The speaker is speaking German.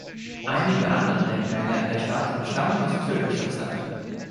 Einige andere Denkmäler in der Stadt stammen aus türkischer Zeit.